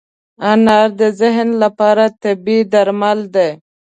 انار د ذهن لپاره طبیعي درمل دی.